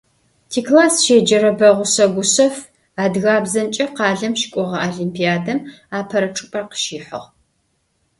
Тикласс щеджэрэ Бэгъушъэ Гушъэф адыгабзэмкӀэ къалэм щыкӀогъэ олимпиадэм апэрэ чӀыпӀэр къыщихьыгъ.